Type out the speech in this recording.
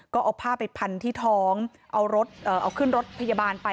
ก็เอาผ้าไปพันที่ท้องเอารถเอาขึ้นรถพยาบาลไป